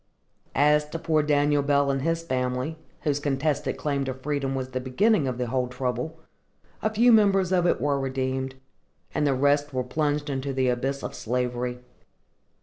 As to poor Daniel Bell and his family, whose contested claim to freedom was the beginning of the whole trouble, a few members of it were redeemed, and the rest were plunged into the abyss of slavery.